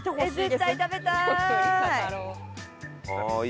絶対食べたい！